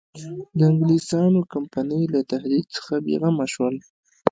د انګلیسیانو کمپنۍ له تهدید څخه بېغمه شول.